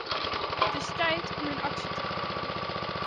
Het is tijd om in actie te komen.